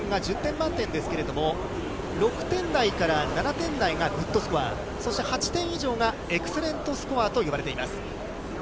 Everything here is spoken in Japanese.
１本のライディングが１０点満点ですけれども、６点台から７点台がグッドスコア、そして８点以上がエクセレントスコアと呼ばれています。